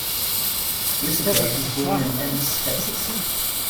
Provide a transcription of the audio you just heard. Whitacre was born in Ennis, Texas.